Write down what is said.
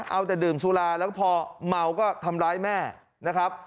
เอาแต่ดื่มสุราแล้วพอเมาก็ทำร้ายแม่นะครับ